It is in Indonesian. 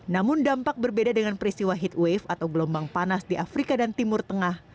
namun dampak berbeda dengan peristiwa heatwave atau gelombang panas di afrika dan timur tengah